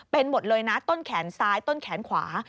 เป็นหมดเลยนะต้นแขนซ้ายต้นแขนขวา